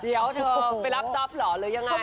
เดี๋ยวเธอไปรับจ๊อปเหรอหรือยังไง